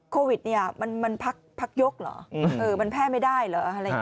โควิดมันพักยกเหรอมันแพ้ไม่ได้เหรอ